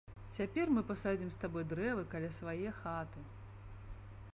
Цяпер мы пасадзім з табой дрэвы каля свае хаты!